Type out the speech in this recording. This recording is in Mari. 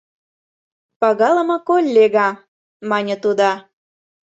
— Пагалыме коллега, — мане тудо.